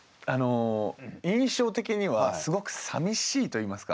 印象的にはすごくさみしいといいますか。